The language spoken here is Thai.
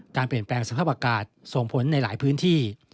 การเปลี่ยนแปลงสภาพอากาศส่งผลในหลายพื้นที่